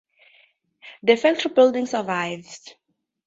The factory building survives.